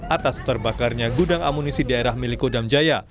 atas terbakarnya gudang amunisi daerah milik kodam jaya